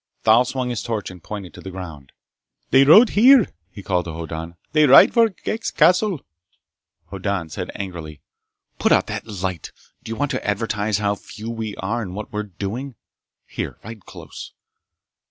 Thal swung his torch and pointed to the ground. "They rode here!" he called to Hoddan. "They ride for Ghek's castle!" Hoddan said angrily: "Put out that light! Do you want to advertise how few we are and what we're doing? Here, ride close!"